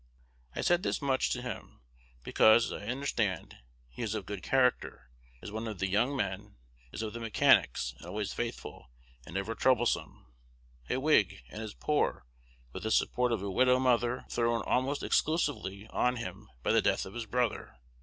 I said this much to him, because, as I understand, he is of good character, is one of the young men, is of the mechanics, and always faithful, and never troublesome, a Whig and is poor, with the support of a widow mother thrown almost exclusively on him by the death of his brother.